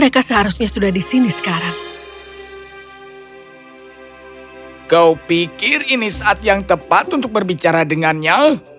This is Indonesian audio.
kau pikir ini saat yang tepat untuk berbicara dengannya